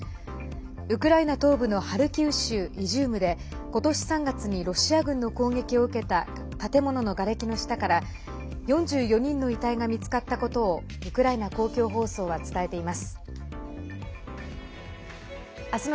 ウクライナ東部のハルキウ州イジュームでことし３月にロシア軍の攻撃を受けた建物のがれきの下から４４人の遺体が見つかったことをウクライナ公共放送は伝えています。